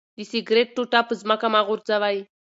د سګرټ ټوټه په ځمکه مه غورځوئ.